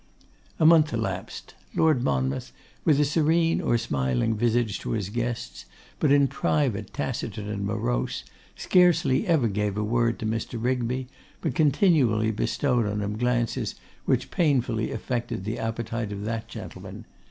A month elapsed. Lord Monmouth with a serene or smiling visage to his guests, but in private taciturn and morose, scarcely ever gave a word to Mr. Rigby, but continually bestowed on him glances which painfully affected the appetite of that gentleman.